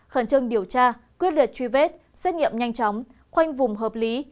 khẩn trương điều tra quyết liệt truy vết xét nghiệm nhanh chóng khoanh vùng hợp lý